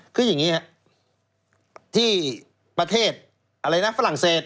คืออย่างนี้ครับที่ประเทศอะไรนะฝรั่งเศส